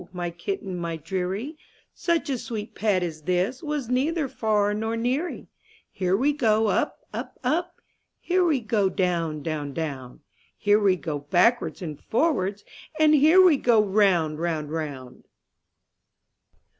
my kitten, my deary, Such a sweet pet as this Was neither far nor neary. Here we go up, up, up. Here we go down, down, down; Here we go backwards and forwards, And here we go round, round, round.